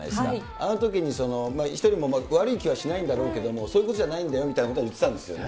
あのときに、ひとりも悪い気はしないんだろうけれども、そういうことじゃないんだよみたいなことは言ってたんですよね。